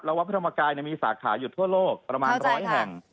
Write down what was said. วัดพระธรรมกายมีสาขาอยู่ทั่วโลกประมาณร้อยแห่ง